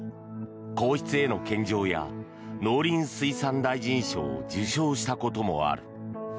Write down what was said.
皇室への献上や農林水産大臣賞を受賞したこともある。